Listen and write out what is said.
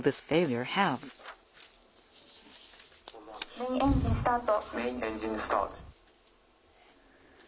メインエンジン、スタート。